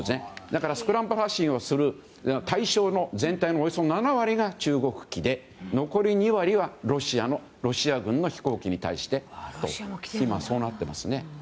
だからスクランブル発進をする対象の全体のおよそ７割が中国機で残り２割はロシア軍の飛行機に対してと今、そうなっていますね。